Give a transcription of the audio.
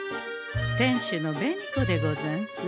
店主の紅子でござんす。